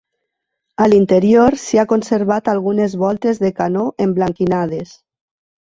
A l'interior s'hi ha conservat algunes voltes de canó emblanquinades.